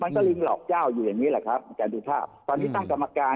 มันก็ลิงหลอกเจ้าอยู่อย่างนี้แหล่ะครับการดูปภาพตอนวิธีตั้งกรรมการ